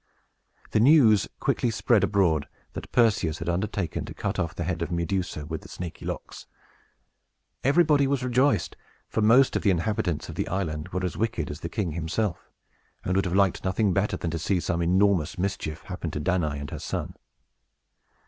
The news quickly spread abroad that Perseus had undertaken to cut off the head of Medusa with the snaky locks. Everybody was rejoiced; for most of the inhabitants of the island were as wicked as the king himself, and would have liked nothing better than to see some enormous mischief happen to Danaë and her son.